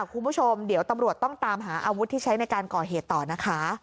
คุณผู้ชมเดี๋ยวตำรวจต้องตามหาอาวุธที่ใช้ในการก่อเหตุต่อนะคะ